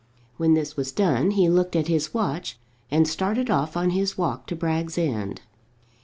When this was done he looked at his watch, and started off on his walk to Bragg's End.